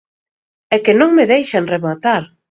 ¡É que non me deixan rematar!